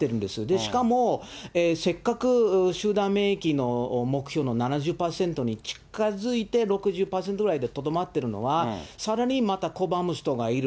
しかも、せっかく集団免疫の目標の７０％に近づいて、６０％ぐらいでとどまってるのは、さらにまた拒む人がいる。